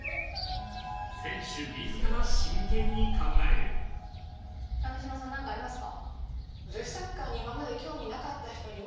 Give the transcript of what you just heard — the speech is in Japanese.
選手自ら真剣に考える鮫島さんなんかありますか？